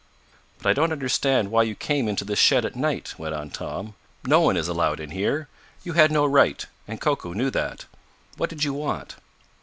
"But I don't understand why you came into this shed at night," went on Tom. "No one is allowed in here. You had no right, and Koku knew that. What did you want?"